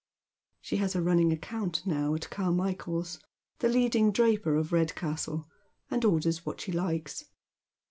She has a running account now at Camiichaers, the leading draper of Red castle, and orders what she likes.